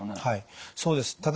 はいそうです。